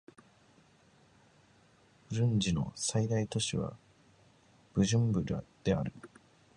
ブルンジの最大都市はブジュンブラである